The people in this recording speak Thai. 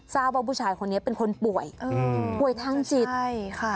ทราบว่าผู้ชายคนนี้เป็นคนป่วยป่วยทางจิตใช่ค่ะ